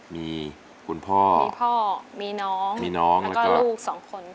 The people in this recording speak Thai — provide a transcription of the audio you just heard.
มีคุณพ่อมีพ่อมีน้องมีน้องแล้วก็ลูกสองคน